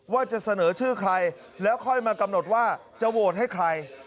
ว่าจะเสนอชื่อใครแล้วค่อยมากำหนดว่าจะโหวตให้ใคร